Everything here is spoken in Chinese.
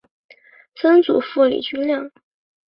曾祖父李均亮。